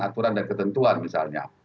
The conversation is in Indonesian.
aturan dan ketentuan misalnya